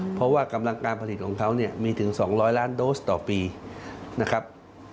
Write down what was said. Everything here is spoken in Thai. เพราะว่ากำลังการผลิตของเขาเนี่ยมีถึง๒๐๐ล้านโดสต่อปีนะครับ